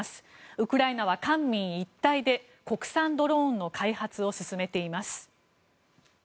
ウクライナは官民一体で国産ドローンの開発を進めています。